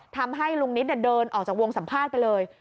ทำให้ลุงนิดเดินออกจากวงสัมภาษณ์ไปเลย